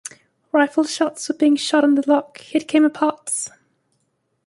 Rifle shots were being shot in the lock: it came apart.